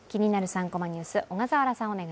３コマニュース」です